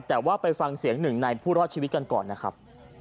แต่ว่าไปฟังเสียงหนึ่งในผู้รอดชีวิตกันก่อนนะครับ